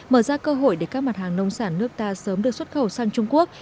mở ra cơ hội để các mặt hàng nông sản nước ta sớm được xuất khẩu sang trung quốc